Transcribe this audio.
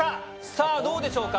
さぁどうでしょうか？